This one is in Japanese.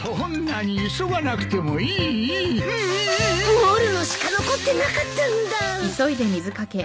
漏るのしか残ってなかったんだ。